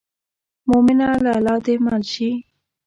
مومنه له الله دې مل شي.